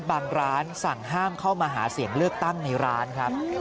บางร้านสั่งห้ามเข้ามาหาเสียงเลือกตั้งในร้านครับ